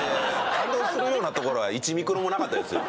感動するようなところは１ミクロンもなかったですよ